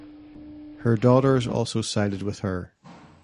Her daughters also sided with her.